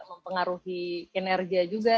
mempengaruhi energi juga